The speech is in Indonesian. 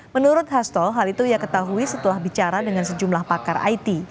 menurut hasto hal itu ia ketahui setelah bicara dengan sejumlah pakar it